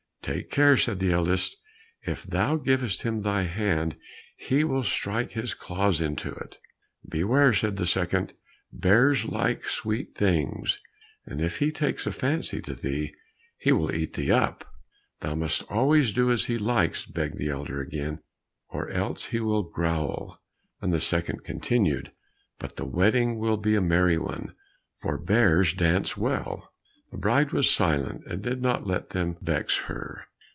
"Take care," said the eldest, "if thou givest him thy hand, he will strike his claws into it." "Beware!" said the second. "Bears like sweet things, and if he takes a fancy to thee, he will eat thee up." "Thou must always do as he likes," began the elder again, "or else he will growl." And the second continued, "But the wedding will be a merry one, for bears dance well." The bride was silent, and did not let them vex her.